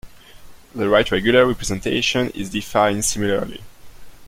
The right regular representation is defined similarly.